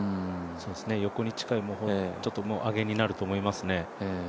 横に近い上げになると思いますね。